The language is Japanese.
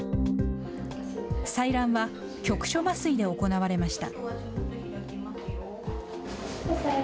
採卵は局所麻酔で行われました。